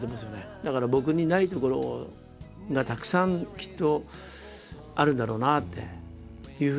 だから僕にないところがたくさんきっとあるんだろうなっていうふうに思います。